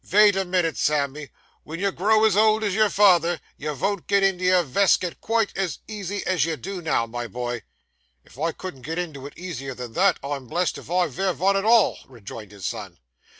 'Vait a minit' Sammy; ven you grow as old as your father, you von't get into your veskit quite as easy as you do now, my boy.' 'If I couldn't get into it easier than that, I'm blessed if I'd vear vun at all,' rejoined his son.